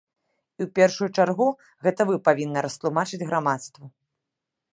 І ў першую чаргу гэта вы павінны растлумачыць грамадству.